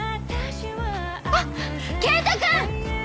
あっ健人君！